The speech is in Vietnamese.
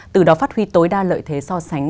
từ đó phát huy tối đa lợi thế so sánh